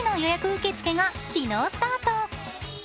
受け付けが昨日スタート。